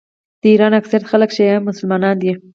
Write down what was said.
د ایران اکثریت خلک شیعه مسلمانان دي.